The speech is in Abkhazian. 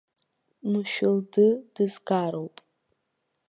Мшәылды дызгароуп.